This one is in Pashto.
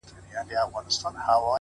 اوس له كندهاره روانـېـــږمه-